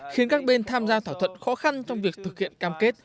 khiến các bên tham gia thỏa thuận khó khăn trong việc thực hiện cam kết